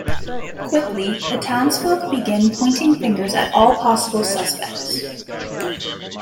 Quickly, the townsfolk begin pointing fingers at all possible suspects.